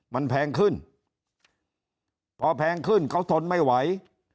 มันแพงขึ้นพอแพงขึ้นเขาทนไม่ไหว